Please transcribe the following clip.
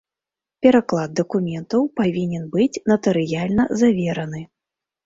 Пераклад дакументаў павінен быць натарыяльна завераны.